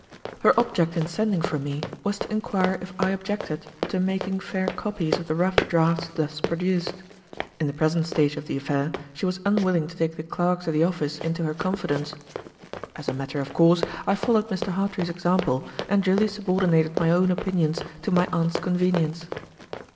Her object in sending for me was to inquire if I objected to making fair copies of the rough drafts thus produced. In the present stage of the affair, she was unwilling to take the clerks at the office into her confidence. As a matter of course, I followed Mr. Hartrey's example, and duly subordinated my own opinions to my aunt's convenience.